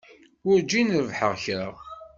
Werjin rebḥeɣ kra.